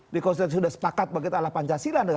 di konstitusi sudah sepakat bagi kita adalah pancasila